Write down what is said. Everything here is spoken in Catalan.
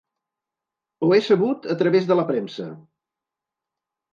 Ho he sabut a través de la premsa.